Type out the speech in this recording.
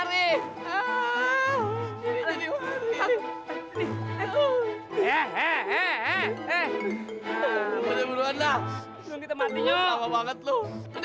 semangat ya allah